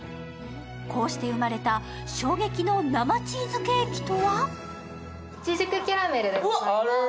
こうして生まれた衝撃の生チーズケーキとは？